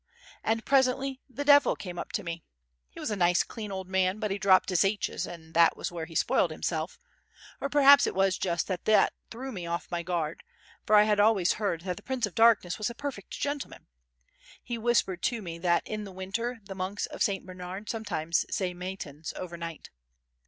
And presently the Devil came up to me. He was a nice, clean old man, but he dropped his h's, and that was where he spoiled himself—or perhaps it was just this that threw me off my guard, for I had always heard that the Prince of Darkness was a perfect gentleman. He whispered to me that in the winter the monks of St. Bernard sometimes say matins overnight.